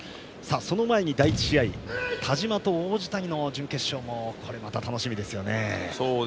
その前に第１試合田嶋と王子谷の準決勝もこれまた楽しみですよね。